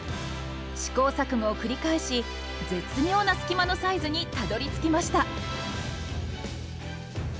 試行錯誤を繰り返し絶妙な隙間のサイズにたどりつきました。